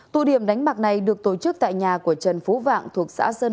tụ điểm đánh bạc này được tổ chức tại nhà của trần phú vạng thuộc xã sơn đông